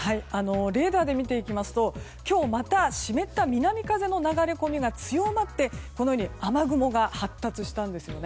レーダーで見ていきますと今日、また湿った南風の流れ込みが強まっていて雨雲が発達したんです。